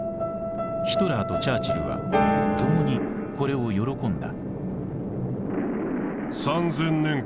ヒトラーとチャーチルはともにこれを喜んだ。